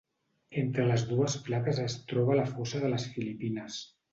Entre les dues plaques es troba la fossa de les Filipines.